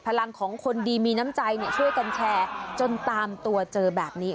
พลังของคนดีมีน้ำใจช่วยกันแชร์จนตามตัวเจอแบบนี้